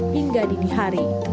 hingga dini hari